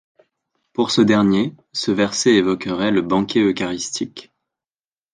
Pour ce dernier, ce verset évoquerait le banquet eucharistique.